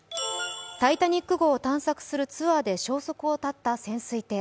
「タイタニック」号を探索するツアーで消息を絶った潜水艇。